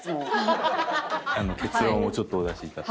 結論をちょっとお出しいただく。